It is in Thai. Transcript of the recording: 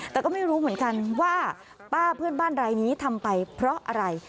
แต่ก็ไม่รู้เหมือนกันว่าป้าเพื่อนบ้านรายนี้ทำไปเพราะอะไร